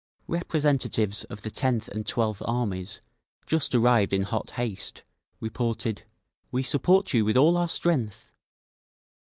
Representatives of the Tenth and Twelfth Armies, just arrived in hot haste, reported, "We support you with all our strength!"